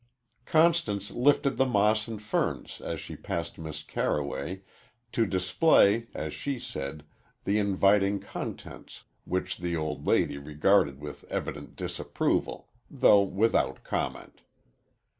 Constance lifted the moss and ferns as she passed Miss Carroway to display, as she said, the inviting contents, which the old lady regarded with evident disapproval, though without comment.